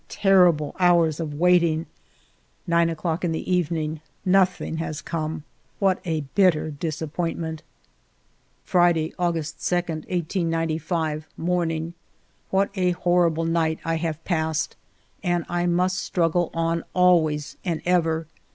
Terrible hours of waiting. 9 d clock in the evening. Nothing has come. What a bitter disappoint ment ! Friday^ August 2, 1895, morning. What a horrible night I have passed ! And I must struggle on always and ever.